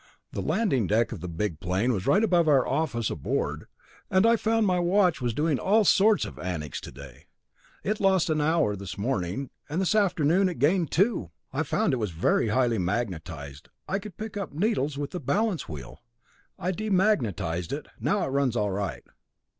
The landing deck of the big plane was right above our office aboard, and I found my watch was doing all sorts of antics today. It lost an hour this morning, and this afternoon it gained two. I found it was very highly magnetized I could pick up needles with the balance wheel. I demagnetized it; now it runs all right.